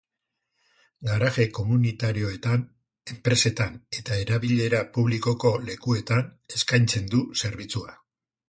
Garaje komunitarioetan, enpresetan eta erabilera publikoko lekuetan eskaintzen du zerbitzua.